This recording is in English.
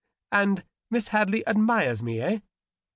And Miss Hadley admires me, eh